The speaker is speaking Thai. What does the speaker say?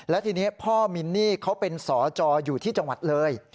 และทีนี้พ่อมินนี่เขาเป็นสจอยู่ที่จังหวัดเลย